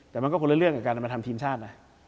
แต่มันก็คนละเรื่องกับการมาทำทีมชาตินะ